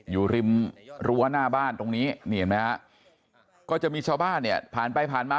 อยู่ริมรั้วหน้าบ้านตรงนี้นี่เห็นไหมฮะก็จะมีชาวบ้านเนี่ยผ่านไปผ่านมา